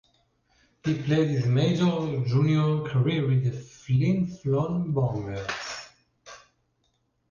He played his major junior career with the Flin Flon Bombers.